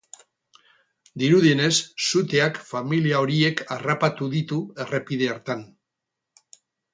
Dirudienez, suteak familia horiek harrapatu ditu errepide hartan.